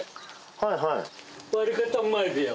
はいはい。